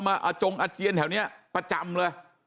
อาจงอาเจียนแถวนี้ประจำเลย